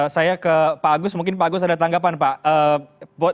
saya ke pak agus mungkin pak agus ada tanggapan pak